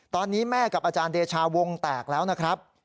ตอนนี้แม่กับอาจารย์เดชาวงแตกแล้วนะครับ